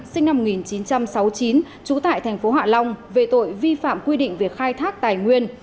sinh năm một nghìn chín trăm sáu mươi chín trú tại thành phố hạ long về tội vi phạm quy định về khai thác tài nguyên